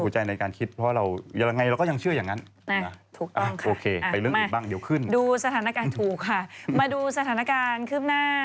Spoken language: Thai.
ใช่ถูกค่ะไปเรื่องอีกบ้างเดี๋ยวขึ้นดูสถานการณ์ถูกค่ะมาดูสถานการณ์ขึ้นหน้า